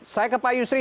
saya ke pak yusri